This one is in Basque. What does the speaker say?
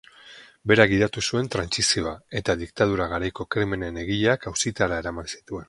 Berak gidatu zuen trantsizioa eta diktadura garaiko krimenen egileak auzitara eraman zituen.